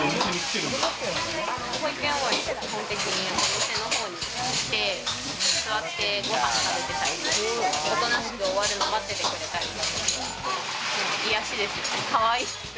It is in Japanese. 保育園終わりは基本的にお店に来てご飯を食べてたり、おとなしく終わるのを待っててくれたり、癒やしですよね、かわいい。